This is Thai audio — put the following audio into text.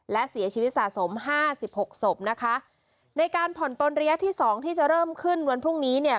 และเสียชีวิตสะสมห้าสิบหกศพนะคะในการผ่อนปนระยะที่สองที่จะเริ่มขึ้นวันพรุ่งนี้เนี่ย